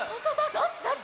どっちどっち？